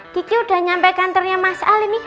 kiki sudah sampai kantornya mas al ini